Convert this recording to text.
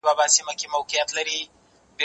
زه کولای سم سندري واورم